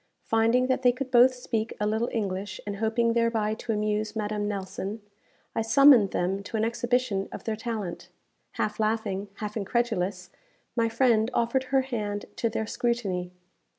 Finding that they could both speak a little English, and hoping thereby to amuse Madame Nelson, I summoned them to an exhibition of their talent. Half laughing, half incredulous, my friend offered her hand to their scrutiny.